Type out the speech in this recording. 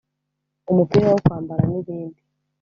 umupira wo kwambara n’ibindi